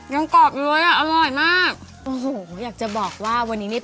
กรอบอยู่เลยอ่ะอร่อยมากโอ้โหอยากจะบอกว่าวันนี้นี่